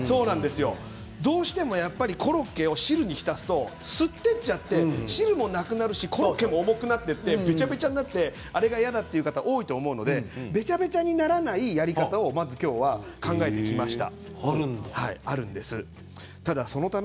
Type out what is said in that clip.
どうしてもコロッケを汁に浸すと吸っていっちゃって汁もなくなるしコロッケも重くなっていってべちゃべちゃになってあれが嫌だという方多いと思うのでべちゃべちゃにならないやり方を今日は考えてきました。